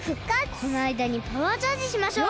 このあいだにパワーチャージしましょう！